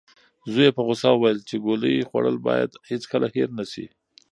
زوی یې په غوسه وویل چې ګولۍ خوړل باید هیڅکله هېر نشي.